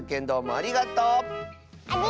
ありがとう！